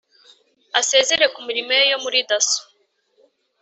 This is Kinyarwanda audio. Asezera ku mirimo ye yo muri dasso